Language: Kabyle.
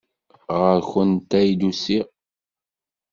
Ɣer-went ay d-usiɣ.